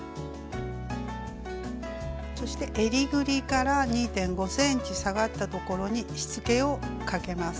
そしてえりぐりから２．５ｃｍ下がったところにしつけをかけます。